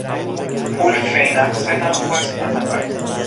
پول فینفسه نه خوب است و نه بد.